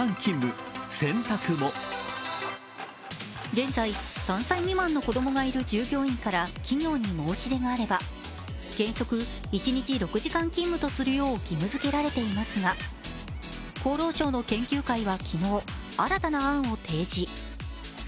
現在、３歳未満の子供がいる従業員から企業に申し出があれば原則一日６時間勤務とするよう義務付けられていますが、厚労省の研究会は昨日、新たな案を提示。